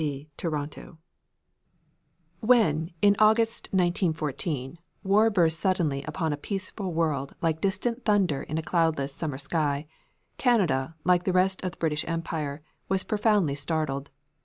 G., TORONTO When, in August,1914, war burst suddenly upon a peaceful world like distant thunder in a cloudless summer sky, Canada, like the rest of the British Empire, was profoundly startled.